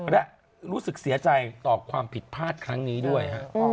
และรู้สึกเสียใจต่อความผิดพลาดครั้งนี้ด้วย